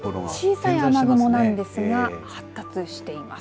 小さい雨雲なんですが発達しています。